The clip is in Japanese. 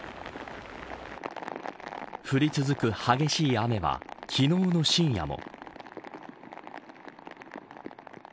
降り続く激しい雨は昨日の深夜も。